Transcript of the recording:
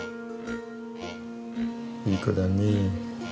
いい子だね。